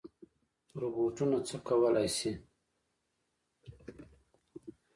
روبوټونه څه کولی شي؟